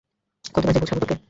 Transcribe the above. কতবার যে বুঝাবো তোকে।